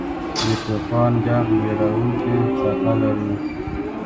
د طوفان ږغ وېرونکې څپه لري.